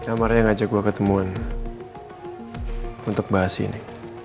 amar yang mengajak saya ke temuan untuk membahas ini